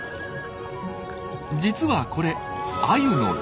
実はこれアユの稚魚。